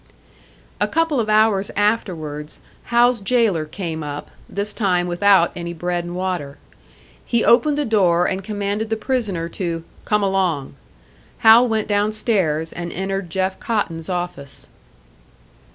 A couple of hours afterwards, Hal's jailer came up, this time without any bread and water. He opened the door and commanded the prisoner to "come along." Hal went downstairs, and entered Jeff Cotton's office.